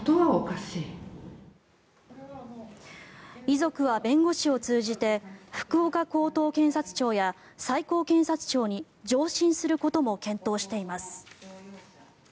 遺族は弁護士を通じて福岡高等検察庁や最高検察庁に上申することも検討しています。